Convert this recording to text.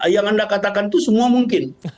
yang anda katakan itu semua mungkin